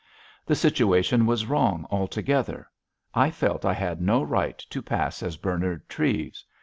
"The situation was wrong altogether. I felt I had no right to pass as Bernard Treves.